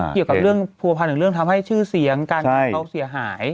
เกี่ยวกับเรื่องผัวพันธ์หรือเรื่องทำให้ชื่อเสียงการงานเขาเสียหาย